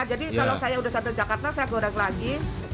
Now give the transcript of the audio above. jadi kalau saya sudah sampai jakarta saya goreng lagi